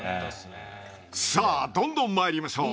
さあ、どんどんまいりましょう。